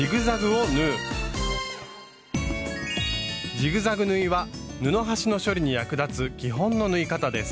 ジグザグ縫いは布端の処理に役立つ基本の縫い方です。